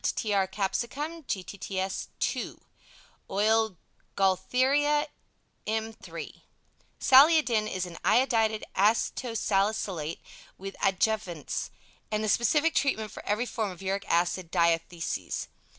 to Tr. Capsicum Gtts ii Oil Gaultheria, m iii Saliodin is an "Iodated Aceto Salicylate with Adjuvants" and the specific treatment for every form of uric acid diathesis.